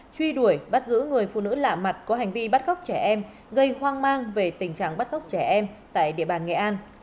truy đuổi bắt giữ người phụ nữ lạ mặt có hành vi bắt cóc trẻ em gây hoang mang về tình trạng bắt cóc trẻ em tại địa bàn nghệ an